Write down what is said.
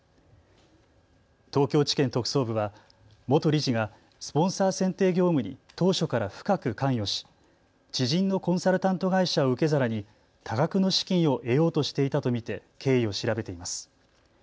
東京地検特捜部は元理事がスポンサー選定業務に当初から深く関与し知人のコンサルタント会社を受け皿に多額の資金を得ようとしていたと見て経緯を調べています。